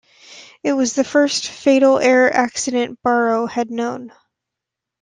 It was the first fatal air accident Barrow had known.